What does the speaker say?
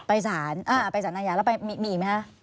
ไปสานอาญาแล้วไปมีไหมคะ